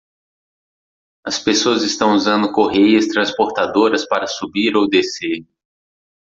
As pessoas estão usando correias transportadoras para subir ou descer.